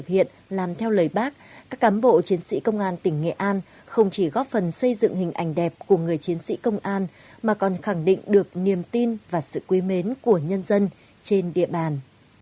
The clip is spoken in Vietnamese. công an không chỉ góp phần xây dựng hình ảnh đẹp của người chiến sĩ công an mà còn khẳng định được niềm tin và sự quý mến của nhân dân trên địa bàn